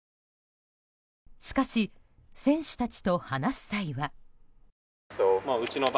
しかし、選手たちと話す際は。